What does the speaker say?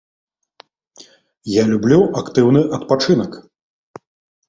Я люблю актыўны адпачынак.